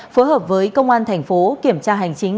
phối hợp với công an thành phố kiểm tra hành chính